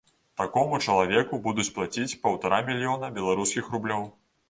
Такому чалавеку будуць плаціць паўтара мільёна беларускіх рублёў.